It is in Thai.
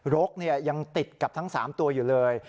รกยังติดกับทั้ง๓ตัวอยู่เลย